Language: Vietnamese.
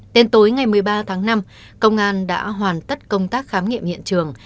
đến tối ngày một mươi ba tháng năm công an đã hoàn tất công tác khám nghiệm hiện trường